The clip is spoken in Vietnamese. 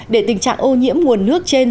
để tình trạng ô nhiễm nguồn nước trên